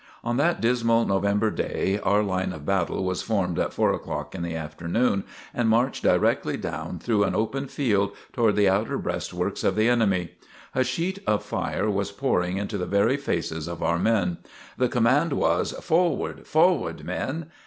On that dismal November day, our line of battle was formed at 4 o'clock in the afternoon and marched directly down through an open field toward the outer breastworks of the enemy. A sheet of fire was pouring into the very faces of our men. The command was: "Forward! Forward men!"